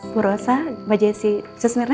bu rosa mbak jessy sis mirna